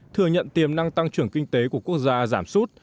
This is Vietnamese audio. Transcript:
thừa nhận tiềm năng tăng trưởng kinh tế của quốc gia giảm sút